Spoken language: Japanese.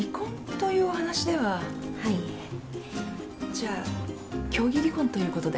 じゃあ協議離婚ということで？